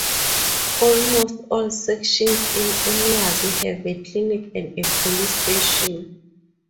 Almost all sections in Umlazi have a clinic and a police station.